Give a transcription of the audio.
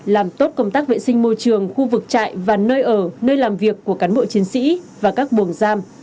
làm tốt công tác vệ sinh môi trường khu vực trại và nơi ở nơi làm việc của cán bộ chiến sĩ và các buồng giam